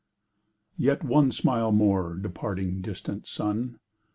Yet one smile more, departing, distant sun!